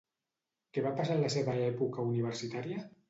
Què va passar en la seva època universitària?